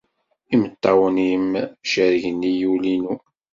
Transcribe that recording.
Imeṭṭawen-nnem cerrgen-iyi ul-inu!